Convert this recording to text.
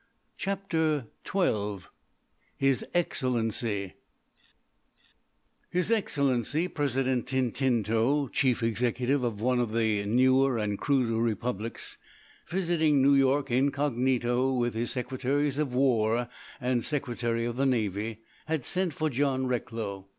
CHAPTER XII HIS EXCELLENCY His Excellency President Tintinto, Chief Executive of one of the newer and cruder republics, visiting New York incognito with his Secretaries of War and of the Navy, had sent for John Recklow.